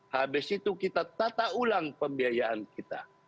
habis itu kita tata ulang pembiayaan kita